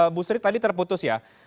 ibu sri tadi terputus ya